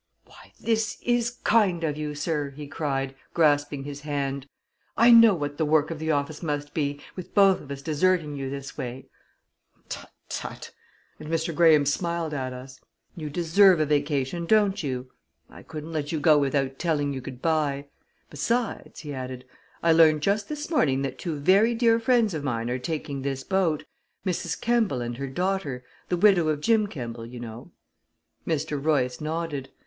"Why, this is kind of you, sir!" he cried, grasping his hand. "I know what the work of the office must be, with both of us deserting you this way." "Tut, tut!" and Mr. Graham smiled at us. "You deserve a vacation, don't you? I couldn't let you go without telling you good by. Besides," he added, "I learned just this morning that two very dear friends of mine are taking this boat Mrs. Kemball and her daughter the widow of Jim Kemball, you know." Mr. Royce nodded.